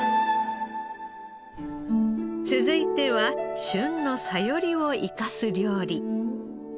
続いては旬のサヨリを生かす料理。